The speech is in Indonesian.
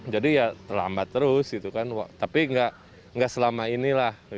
jadi ya terlambat terus tapi enggak selama inilah